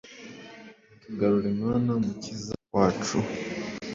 Tugarure Mana mukiza wacu